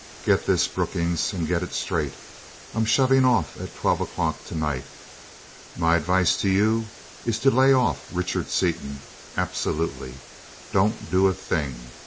"Get this, Brookings, and get it straight. I'm shoving off at twelve o'clock tonight. My advice to you is to lay off Richard Seaton, absolutely. Don't do a thing.